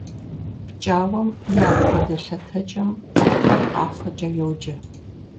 ПкӀауэм и апхуэдэ лъэтэкӀэм цӀыхухэр къафэкӀэ йоджэ.